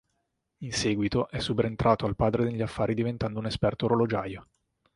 In seguito è subentrato al padre negli affari diventando un esperto orologiaio.